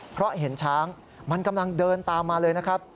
เพราะเห็นช้างมันกำลังเดินตามมาเลยนะครับ